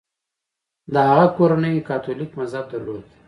د هغه کورنۍ کاتولیک مذهب درلود.